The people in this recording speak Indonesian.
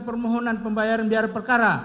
permohonan pembayaran biara perkara